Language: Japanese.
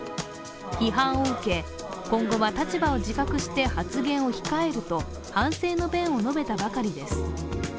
批判を受け、今後は立場を自覚して発言を控えると反省の弁を述べたばかりです。